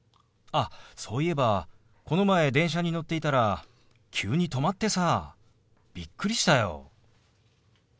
あそういえばこの前電車に乗っていたら急に止まってさびっくりしたよ。